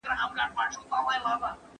زه پرون سبزیحات تياروم وم!؟